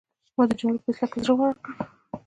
ما د جملو په اصلاح کې زړه ورک کړ.